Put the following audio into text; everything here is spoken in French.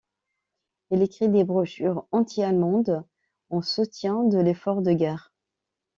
Il écrit des brochures anti-allemande en soutien de l’effort de guerre.